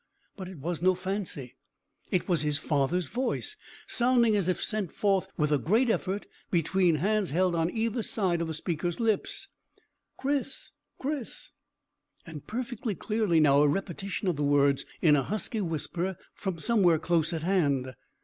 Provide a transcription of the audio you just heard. But it was no fancy! It was his father's voice, sounding as if sent forth with a great effort between hands held on either side of the speaker's lips. "Chris! Chris!" And perfectly clearly now a repetition of the words in a husky whisper from somewhere close at hand.